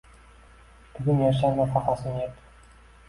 Bugun yashar nafaqasin yeb.